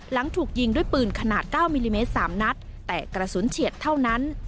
หลังถูกยิงด้วยปืนขนาด๙มิลลิเมตร๓นัดแต่กระสุนเฉียดเท่านั้น